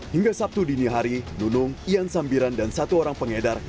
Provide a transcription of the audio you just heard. hingga sabtu dini hari nunung ian sambiran dan satu orang pengedar